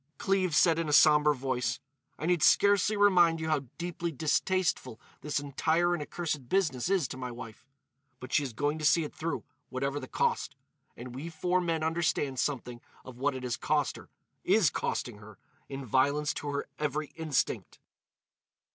Cleves said in a sombre voice: "I need scarcely remind you how deeply distasteful this entire and accursed business is to my wife. But she is going to see it through, whatever the cost. And we four men understand something of what it has cost her—is costing her—in violence to her every instinct."